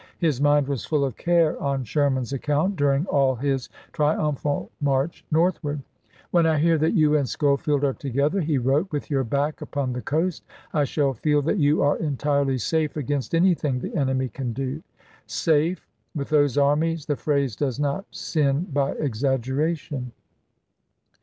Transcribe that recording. His mind was full of care on Sherman's account, dur Grant to ing all his triumphal march northward. "When SMlr?iX' I hear that you and Schofield are together," he iwd.fp.'3i2. wrote, " with your back upon the coast, I shall feel that you are entirely safe against anything the enemy can do." Safe — with those armies, the phrase does not sin by exaggeration.